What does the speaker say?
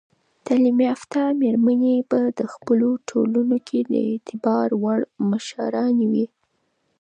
تعلیم یافته میرمنې په خپلو ټولنو کې د اعتبار وړ مشرانې وي.